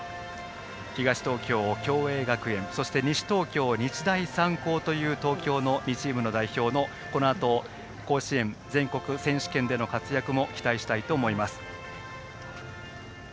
東東京、共栄学園そして西東京、日大三高という東京の２チームの代表のこのあと甲子園全国選手権での活躍も期待したいと思います。